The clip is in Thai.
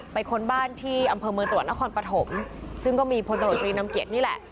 ไปค้นบ้านที่อำเภอมือตัวนครปฐมซึ่งก็มีพนตรตรีนำเกียจนี่แหละ